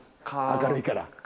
明るいから